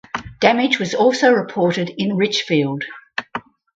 Damage was also reported in Richfield.